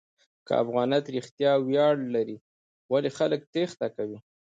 که افغانیت رښتیا ویاړ لري، ولې خلک تېښته کوي؟